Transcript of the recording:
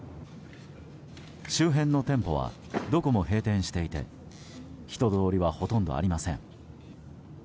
周辺の店舗はどこも閉店していて人通りはほとんどありません。